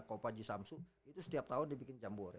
ko paji samsu itu setiap tahun dibikin jambore